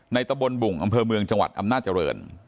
ตะบนบุ่งอำเภอเมืองจังหวัดอำนาจริง